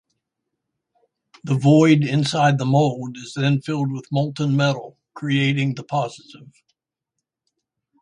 The void inside the mold is then filled with molten metal, creating the positive.